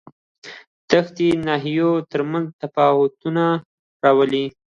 دښتې د ناحیو ترمنځ تفاوتونه راولي.